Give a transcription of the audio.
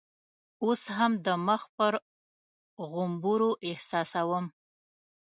اوس هم د مخ پر غومبرو احساسوم.